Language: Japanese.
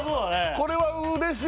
これはうれしい！